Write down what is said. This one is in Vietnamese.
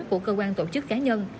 của cơ quan tổ chức cá nhân